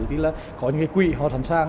thì là có những quỵ họ sẵn sàng